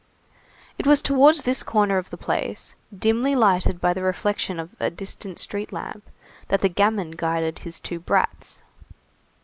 It was towards this corner of the place, dimly lighted by the reflection of a distant street lamp, that the gamin guided his two "brats."